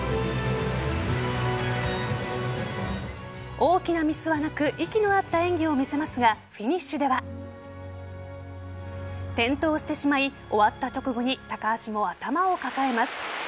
大きなミスはなく息の合った演技を見せますがフィニッシュでは転倒してしまい、終わった直後に高橋も頭を抱えます。